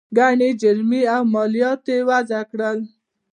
ګڼې جریمې او مالیات یې وضعه کړل.